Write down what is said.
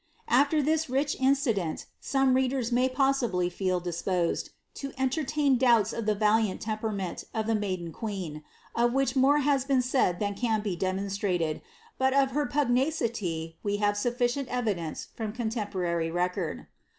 * AAer this rich incident, some readers may possibly feel disposed to entertain doubts of the valiant temperament of the maiden qoeen, of which more has been said than can be demonstrated, but of her pugnacity we have sufficient evidence from contemporary record.